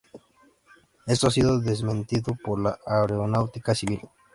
Esto ha sido desmentido por la Aeronáutica Civil.